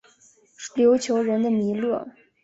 琉球人的弥勒。